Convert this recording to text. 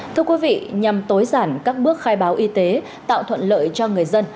thưa quý vị nhằm tối giản các bước khai báo y tế tạo thuận lợi cho người dân